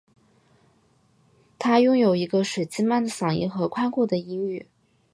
她拥有一个水晶般的嗓音和宽阔的音域。